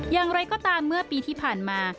อย่างไรก็ตามเมื่อปีที่ผ่านมา